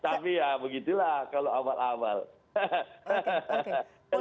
tapi ya begitulah kalau abal abal